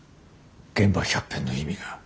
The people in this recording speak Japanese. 現場百遍の意味が。